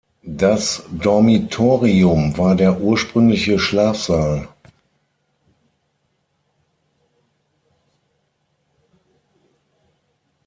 Das Dormitorium war der ursprüngliche Schlafsaal.